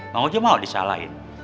bang ojo mau disalahin